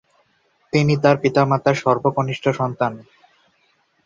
তিনি তার পিতামাতার সর্বকনিষ্ঠ সন্তান।